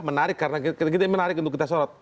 menarik karena menarik untuk kita sorot